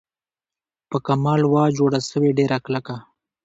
په کمال وه جوړه سوې ډېره کلکه